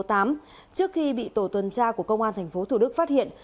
trước khi bị tổ tuần tra của công an tp thủ đức phát hiện